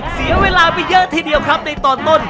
เสียเวลาไปเยอะทีเดียวครับในตอนต้น